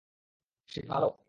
সে কি ভালো?